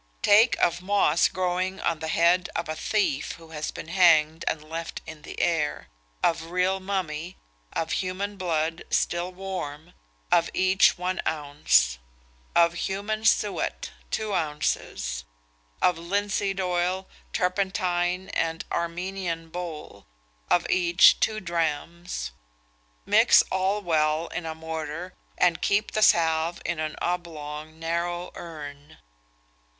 "Take of moss growing on the head of a thief who has been hanged and left in the air; of real mummy; of human blood, still warm of each, one ounce; of human suet, two ounces; of linseed oil, turpentine, and Armenian bole of each, two drachms. Mix all well in a mortar, and keep the salve in an oblong, narrow urn."